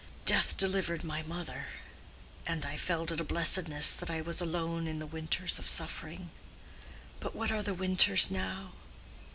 Death delivered my mother, and I felt it a blessedness that I was alone in the winters of suffering. But what are the winters now?